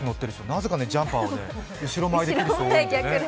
なぜかジャンパーを後ろ前に着る人が多いんだよね。